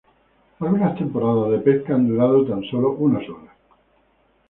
Algunas temporadas de pesca han durado tan solo unas horas.